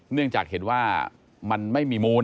เนื่องจากเห็นว่ามันไม่มีมูล